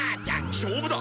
しょうぶだ！